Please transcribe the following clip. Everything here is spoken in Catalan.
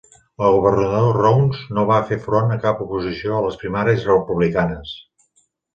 El governador Rounds no va fer front a cap oposició a les primàries republicanes.